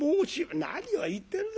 「何を言ってるだ。